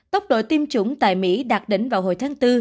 tốc độ tiêm chủng tại mỹ đạt đỉnh vào hồi tháng bốn